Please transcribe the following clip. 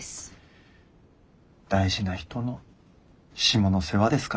大事な人の下の世話ですからね。